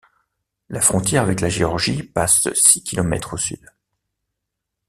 La frontière avec la Géorgie passe six kilomètres au sud.